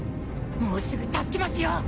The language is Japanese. もうすぐ助けますよ。